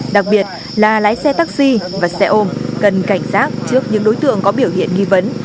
đặc biệt là lái xe taxi và xe ôm cần cảnh giác trước những đối tượng có biểu hiện nghi vấn